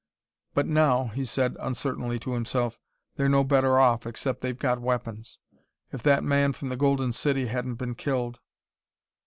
"But now," he said uncertainly to himself, "they're no better off, except they've got weapons.... If that man from the Golden City hadn't been killed...."